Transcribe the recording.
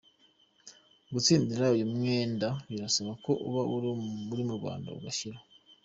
Gutsindira uyu mwenda birasaba ko uba uri mu Rwanda, ugashyira